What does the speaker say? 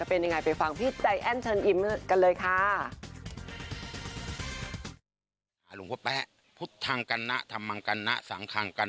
เออนี่เป็นความเชื่อนะคะ